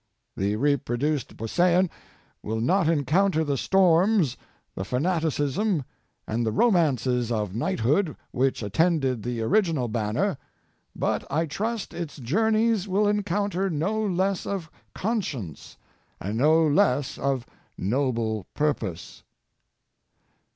The reproduced beauseant will not encounter the storms, the fanaticism, and the romances of Knighthood which attended the orig inal banner, but I trust its journeys will encounter no less of conscience and no less of noble purpose.